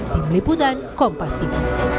tim liputan kompas tv